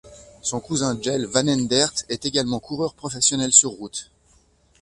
Son cousin Jelle Vanendert est également coureur professionnel sur route.